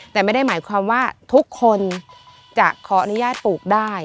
แต่ไม่ได้หมายความว่าทุกคนจะขออนุญาตปลูกได้